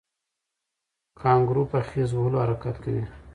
کانګارو په خیز وهلو حرکت کوي